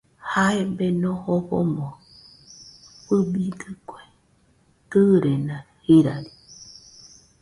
Jae Beno jofomo fɨbidekue tɨrena jirari.